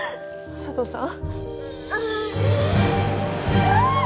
佐都さん。